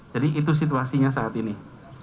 jadi itu situasinya saat ini